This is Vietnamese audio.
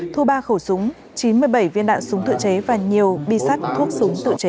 thu ba khẩu súng chín mươi bảy viên đạn súng tự chế và nhiều bi sắt thuốc súng tự chế